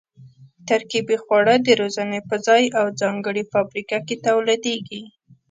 ترکیبي خواړه د روزنې په ځای او ځانګړې فابریکه کې تولیدېږي.